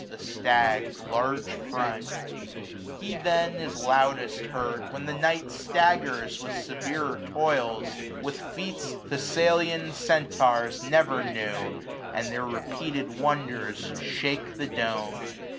The stag's large front : he then is loudest heard. When the night staggers with severer toils ; With feats Thessalian Centaurs never knew, 500 And their repeated wonders shake the dome.